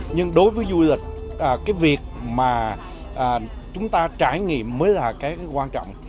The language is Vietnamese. nhưng đối với du lịch cái việc mà chúng ta trải nghiệm mới là cái quan trọng